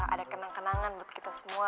ada kenang kenangan buat kita semua